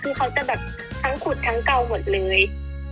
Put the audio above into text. คือเขาจะแบบทั้งขุดทั้งเก่าหมดเลย